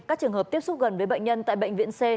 các trường hợp tiếp xúc gần với bệnh nhân tại bệnh viện c